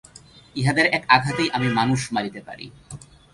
ইহাদের এক আঘাতেই আমি মানুষ মারিতে পারি।